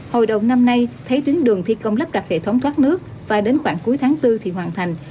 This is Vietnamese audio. hồi đầu năm nay thấy tuyến đường thi công lắp đặt hệ thống thoát nước và đến khoảng cuối tháng bốn thì hoàn thành